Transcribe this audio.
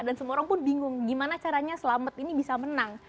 dan semua orang pun bingung gimana caranya selamat ini bisa menang